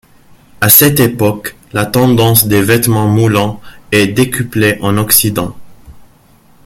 À cette époque, la tendance des vêtements moulants est décuplée en occident.